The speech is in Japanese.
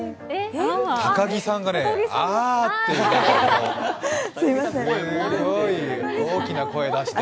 高木さんが、あーっと言っていましたね、大きな声出して。